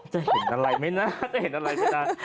จะเห็นอะไรไหมนะจะเห็นอะไรไหมนะ